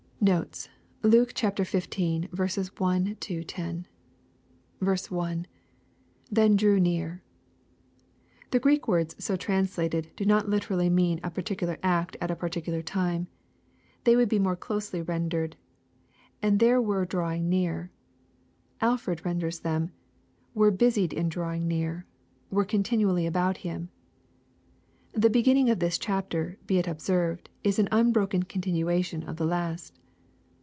Notes. Luke XV. 1 — 10. 1. — [7%en drew near."] The Greek words so translated do not liter ally mean a particular act at a particular time. They would be more closely rendered, " And there were drawing near." Alford renders them, were busied in drawing near,*' —" were continu ally about Him.*' The beginning of this chapter, be it observed, la an unbroken continuation of the last.